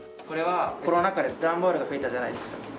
これはコロナ禍でダンボールが増えたじゃないですか。